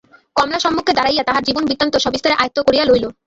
কমলা সম্মুখে দাঁড়াইয়া তাহার জীবনবৃত্তান্ত সবিস্তারে আয়ত্ত করিয়া লইল।